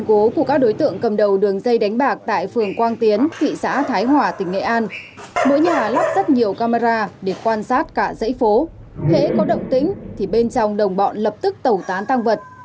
có động tính thì bên trong đồng bọn lập tức tẩu tán tăng vật